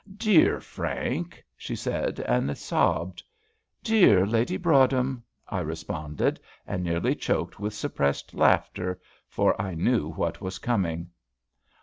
"Dear Frank," she said, and sobbed. "Dear Lady Broadhem," I responded, and nearly choked with suppressed laughter, for I knew what was coming.